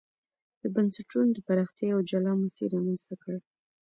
د بنسټونو د پراختیا یو جلا مسیر رامنځته کړ.